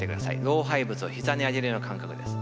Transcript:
老廃物を膝に上げるような感覚です。